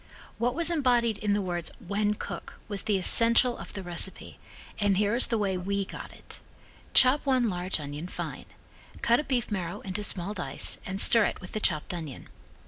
What was embodied in the words "wen cook" was the essential of the recipe and here is the way we got it: Chop one large onion fine. Cut a beef marrow into small dice and stir it with the chopped onion.